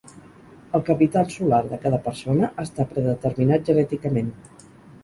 El capital solar de cada persona està predeterminat genèticament.